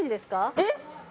えっ？